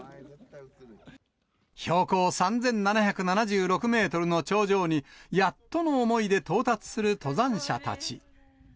標高３７７６メートルの頂上に、やっとの思いで到達する登山者たち。